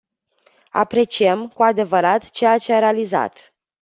Apreciem, cu adevărat, ceea ce a realizat.